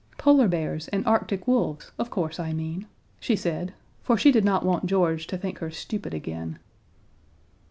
"Polar bears and Arctic wolves, of course I mean," she said, for she did not want George to think her stupid again.